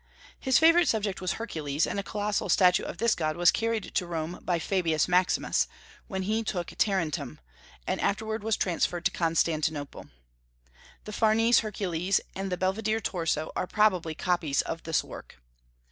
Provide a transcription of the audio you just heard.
His favorite subject was Hercules, and a colossal statue of this god was carried to Rome by Fabius Maximus, when he took Tarentum, and afterward was transferred to Constantinople; the Farnese Hercules and the Belvidere Torso are probably copies of this work.